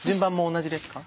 同じです。